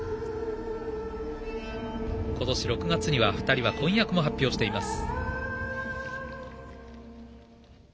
今年６月には２人は婚約も発表しています。